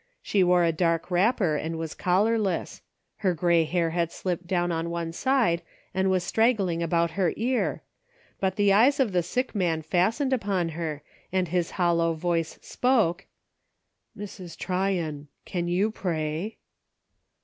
She wore a dark wrapper, and was collarless ; her gray hair had slipped down on one side, and was straggling about her ear, but the eyes of the sick man fastened upon her, and his hollow voice spoke, — "Mrs. Tryon, can you pray."